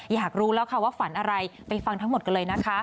อยากรู้แล้วค่ะว่าฝันอะไรไปฟังทั้งหมดกันเลยนะคะ